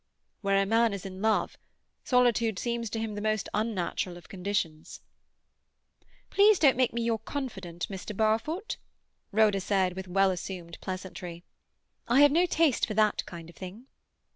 "Where a man is in love, solitude seems to him the most unnatural of conditions." "Please don't make me your confidante, Mr. Barfoot," Rhoda with well assumed pleasantry. "I have no taste for that kind of thing."